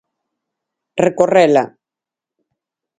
Recorrela.